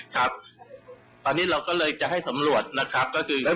ครับตอนนี้เราก็เลยจะให้สำรวจนะครับก็คือ